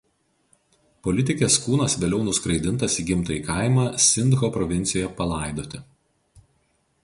Politikės kūnas vėliau nuskraidintas į gimtąjį kaimą Sindho provincijoje palaidoti.